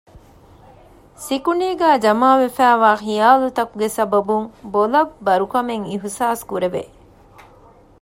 ސިކުނޑީގައި ޖަމާވެފައިވާ ޚިޔާލުތަކުގެ ސަބަބުން ބޮލަށް ބަރުކަމެއް އިޙުސާސްކުރެވެ